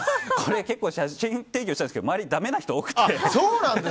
結構写真提供したんですけど周り、ダメな人多くて。